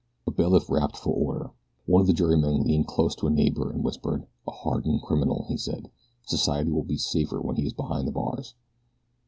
A bailiff rapped for order. One of the jurymen leaned close to a neighbor and whispered. "A hardened criminal," he said. "Society will be safer when he is behind the bars."